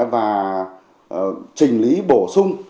và trình lý bổ sung